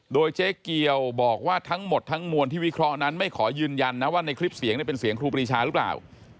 โดยเจ๊เกียวบอกว่าทั้งหมดทั้งมวลที่วิเคราะห์นั้นไม่ขอยืนยันนะว่าในคลิปเสียงเป็นเสียงครูปรีชาหรือเปล่า